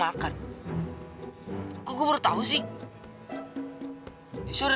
aku juga pernah kesana kok ya